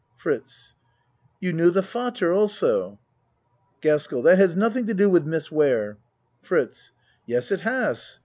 FRITZ You knew the f adder also? GASKELL That has nothing to do with Miss Ware. FRITZ Yes, it has.